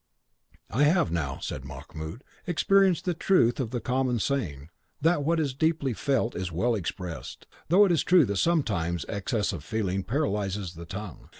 "I have now," said Mahmoud, "experienced the truth of the common saying, that what is deeply felt is well expressed, though it is true that sometimes excess of feeling paralyses the tongue.